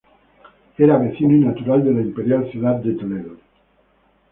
Era vecino y natural de la imperial ciudad de Toledo.